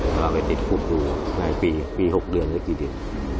เราไปติดคุกดูในปี๖เดือนหรือกี่เดือน